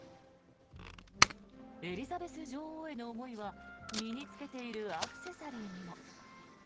エリザベス女王への思いは身に着けているアクセサリーにも。